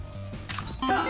さあ。